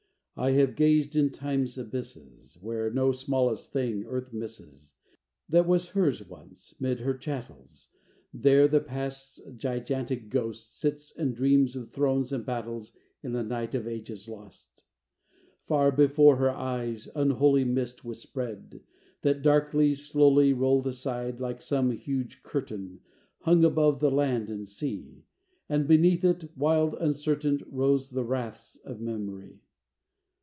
I have gazed in Time's abysses, Where no smallest thing Earth misses That was hers once. 'Mid her chattels, There the Past's gigantic ghost Sits and dreams of thrones and battles In the night of ages lost. Far before her eyes, unholy Mist was spread; that darkly, slowly Rolled aside, like some huge curtain Hung above the land and sea; And beneath it, wild, uncertain, Rose the wraiths of memory.